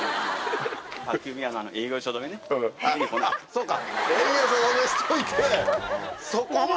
そうか。